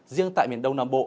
riêng tại miền đông nam bộ